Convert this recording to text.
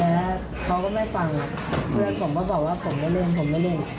แล้วเขาก็ไม่ฟังเพื่อนผมก็บอกว่าผมไม่เล่นผมไม่เล่น